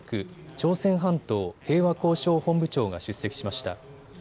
朝鮮半島平和交渉本部長が出席しました。